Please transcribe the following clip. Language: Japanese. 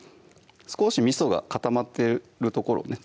少しみそが固まってる所をね